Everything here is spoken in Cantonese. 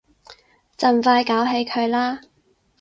盡快搞起佢啦